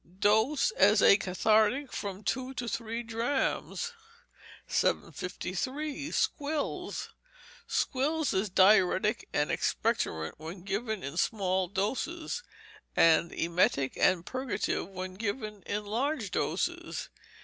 Dose, as a cathartic, from two to three drachms. 753. Squills Squills is diuretic and expectorant when given in small doses; and emetic and purgative when given in large doses.